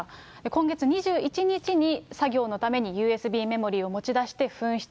今月２１日に作業のためにＵＳＢメモリを持ち出して紛失。